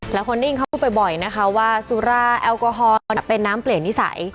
และคนได้ยินเข้าไปบ่อยว่าสุราแอลกอฮอล์เป็นน้ำเปลี่ยนนิสัย